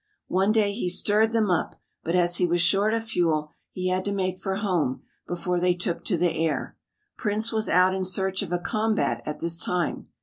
One day he stirred them up, but as he was short of fuel he had to make for home before they took to the air. Prince was out in search of a combat at this time.